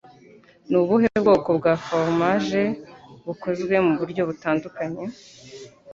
Ni ubuhe bwoko bwa foromaje bukozwe muburyo butandukanye?